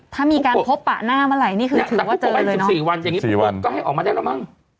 ถ้ามีการพบปะหน้าเมื่อไหร่นี่คือถือว่าเจอเลยเนอะปุ๊กโกะไป๑๔วันอย่างนี้ปุ๊กโกะก็ให้ออกมาได้แล้วมั่ง